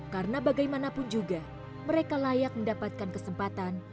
karena bagaimanapun juga mereka layak mendapatkan kesempatan